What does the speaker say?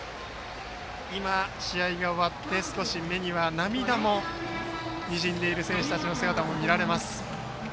今、試合が終わって少し目には涙もにじんでいる選手たちの姿も見られます。